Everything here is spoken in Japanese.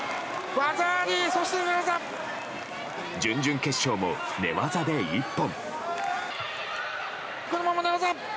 準々決勝も寝技で一本。